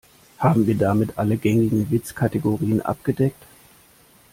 Haben wir damit alle gängigen Witzkategorien abgedeckt?